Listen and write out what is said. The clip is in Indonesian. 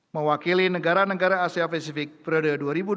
mewakili negara negara asia pasifik periode dua ribu dua puluh dua ribu dua puluh dua